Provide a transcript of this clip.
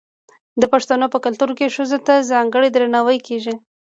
د پښتنو په کلتور کې ښځو ته ځانګړی درناوی کیږي.